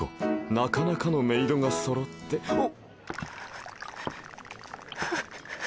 なかなかのメイドがそろってあ！